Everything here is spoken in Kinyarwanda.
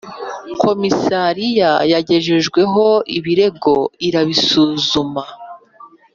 Komisariya yagejejweho ibirego irabisuzuma